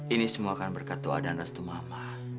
ini semua akan berkat doa dan restu mama